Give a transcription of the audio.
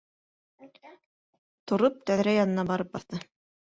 - Тороп, тәҙрә янына барып баҫты.